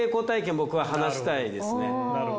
僕は話したいですね。